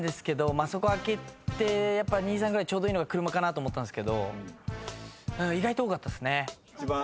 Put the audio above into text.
まあそこ開けて２３ぐらいちょうどいいのが「車」かなと思ったんすけど意外と多かったっすね。